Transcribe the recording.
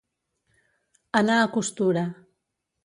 Anar a costura.